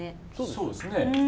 そうですね。